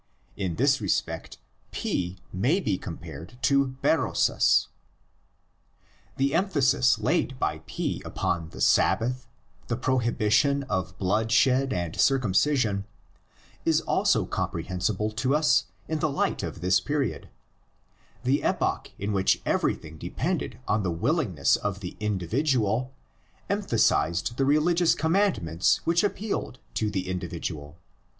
In this respect P may be compared to Berosus. The emphasis laid by P upon the Sabbath, the prohibition of bloodshed and circumcision, is also comprehensible to us in the light of this period: the epoch in which everything depended on the willing ness of the individual emphasised the religious com mandments which applied to the individual.